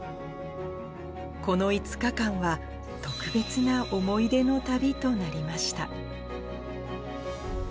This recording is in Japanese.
この５日間は、特別な思い出の旅となりました。